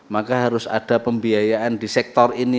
maka harus ada pembiayaan di sektor ini